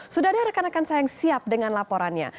sudah ada rekan rekan saya yang siap dengan laporannya